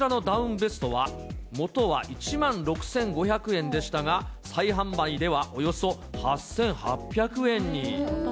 ベストは、元は１万６５００円でしたが、再販売ではおよそ８８００円に。